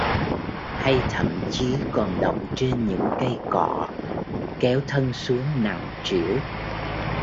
Hay thậm chí còn đọng trên những cây cọ, kéo thân xuống nặng trĩu